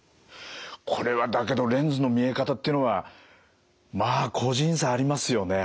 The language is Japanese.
これはだけどレンズの見え方っていうのはまあ個人差ありますよね。